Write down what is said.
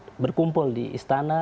umat islam berkumpul di istana